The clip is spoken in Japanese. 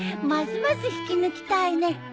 ますます引き抜きたいね。